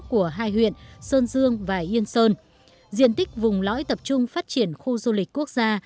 của hai huyện sơn dương và yên sơn diện tích vùng lõi tập trung phát triển khu du lịch quốc gia